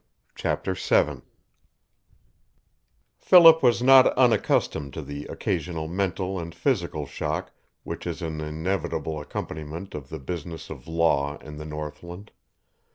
CHAPTER VII Philip was not unaccustomed to the occasional mental and physical shock which is an inevitable accompaniment of the business of Law in the northland.